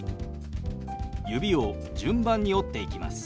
指を順番に折っていきます。